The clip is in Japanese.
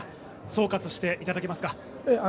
総括していただけますか。